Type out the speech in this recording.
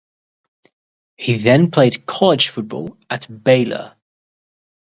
He then played college football at Baylor.